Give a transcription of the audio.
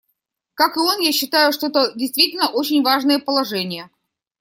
Как и он, я считаю, что это действительно очень важные положения.